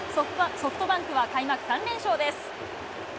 ソフトバンクは開幕３連勝です。